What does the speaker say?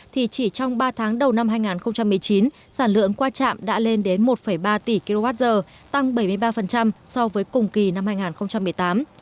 thì chỉ trong ba tháng đầu năm hai nghìn một mươi chín sản lượng qua trạm đã lên đến một ba tỷ kwh tăng bảy mươi ba so với cùng kỳ năm hai nghìn một mươi tám